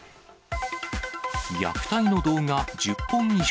虐待の動画１０本以上。